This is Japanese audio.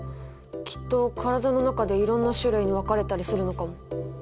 きっと体の中でいろんな種類に分かれたりするのかも。